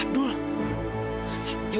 kak abdul kak abdul